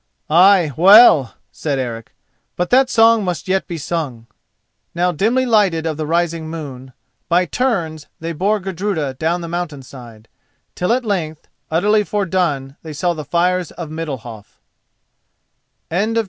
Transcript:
"Ay, well," said Eric; "but that song must yet be sung." Now dimly lighted of the rising moon by turns they bore Gudruda down the mountain side, till at length, utterly fordone, they saw the fires of Middalhof.